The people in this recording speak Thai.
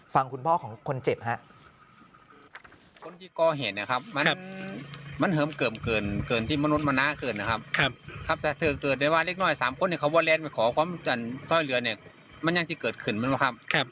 ฟังคุณพ่อของคนเจ็บครับ